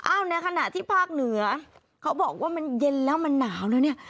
ในขณะที่ภาคเหนือเขาบอกว่ามันเย็นแล้วมันหนาวแล้วเนี่ย